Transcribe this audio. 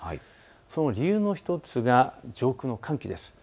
その理由の１つが上空の寒気です。